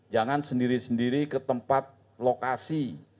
jangan sendiri sendiri ke tempat lokasi